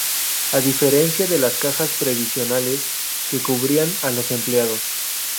A diferencia de las cajas previsionales que cubrían a los empleados.